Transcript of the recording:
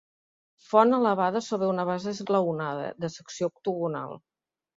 Font elevada sobre una base esglaonada, de secció octogonal.